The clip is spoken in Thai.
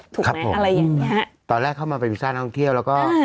ถูกครับผมอะไรอย่างเงี้ยตอนแรกเข้ามาเป็นวีซ่าท่องเที่ยวแล้วก็